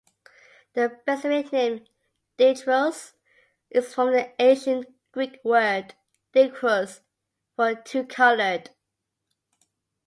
The specific name "dichrous" is from the Ancient Greek word "dikhrous" for two coloured.